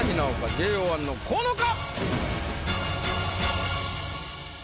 ＪＯ１の河野か？